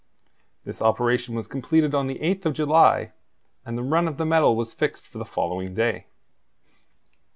This operation was completed on the 8th of July, and the run of the metal was fixed for the following day.